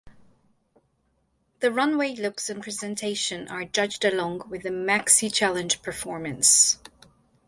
The runway looks and presentation are judged along with the maxi challenge performance.